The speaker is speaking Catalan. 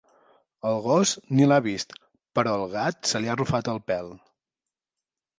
El gos ni l'ha vist, però al gat se li ha arrufat el pèl.